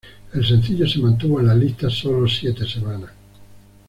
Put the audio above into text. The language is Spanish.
El sencillo se mantuvo en las lista solo siete semanas.